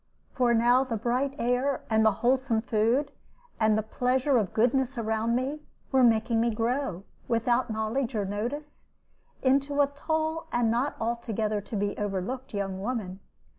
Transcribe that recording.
For now the bright air, and the wholesome food, and the pleasure of goodness around me, were making me grow, without knowledge or notice, into a tall and not altogether to be overlooked young woman.